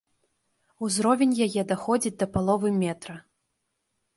Узровень яе даходзіць да паловы метра.